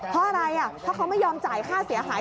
เพราะอะไรเพราะเขาไม่ยอมจ่ายค่าเสียหาย